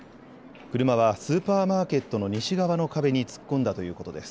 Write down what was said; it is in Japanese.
車はスーパーマーケットの西側の壁に突っ込んだということです。